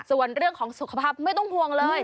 ส่วนเรื่องของสุขภาพไม่ต้องห่วงเลย